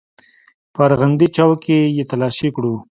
په ارغندې چوک کښې يې تلاشي کړو.